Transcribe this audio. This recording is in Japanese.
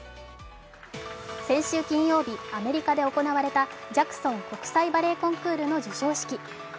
先週金曜日、アメリカで行われたジャクソン国際バレエコンクールの授賞式。